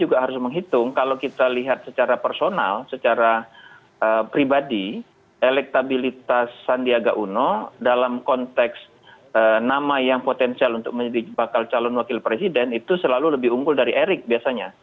jadi itu harus menghitung kalau kita lihat secara personal secara pribadi elektabilitas sandiaga uno dalam konteks nama yang potensial untuk menjadi bakal calon wakil presiden itu selalu lebih unggul dari erick biasanya